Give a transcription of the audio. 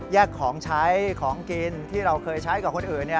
แยกของใช้ของกินที่เราเคยใช้ก่ะคนอื่นเนี่ย